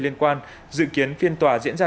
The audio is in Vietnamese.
liên quan dự kiến phiên tòa diễn ra